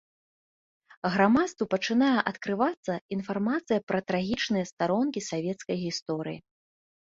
Грамадству пачынае адкрывацца інфармацыя пра трагічныя старонкі савецкай гісторыі.